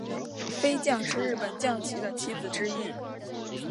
飞将是日本将棋的棋子之一。